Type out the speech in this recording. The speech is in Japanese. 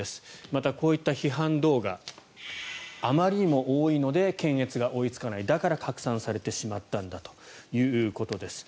また、こういった批判動画あまりにも多いので検閲が追いつかないだから拡散されてしまったんだということです。